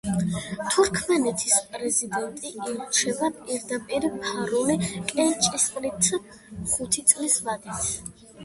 თურქმენეთის პრეზიდენტი ირჩევა პირდაპირი ფარული კენჭისყრით ხუთი წლის ვადით.